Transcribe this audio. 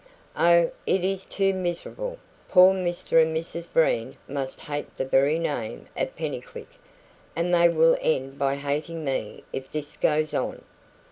Oh, it is too miserable! Poor Mr and Mrs Breen must hate the very name of Pennycuick, and they will end by hating me if this goes on....